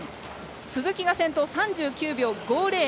鈴木が先頭で３９秒５０。